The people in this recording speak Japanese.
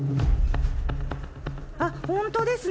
あっ本当ですね。